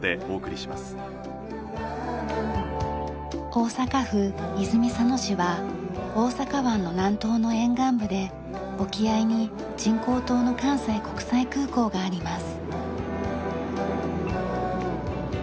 大阪府泉佐野市は大阪湾の南東の沿岸部で沖合に人工島の関西国際空港があります。